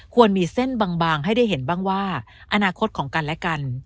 มีเส้นบางให้ได้เห็นบ้างว่าอนาคตของกันและกัน